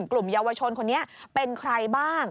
กลุ่มเยาวชนคนนี้เป็นใครบ้าง